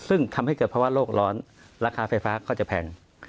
ซึ่งทำให้เกิดภาวะโลกร้อนราคาไฟฟ้าก็จะแพง